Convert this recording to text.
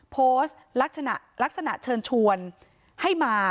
โพสต์ลักษณะเชิญชวนให้มา